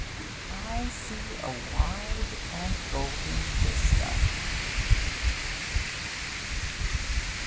I see a wide and golden vista.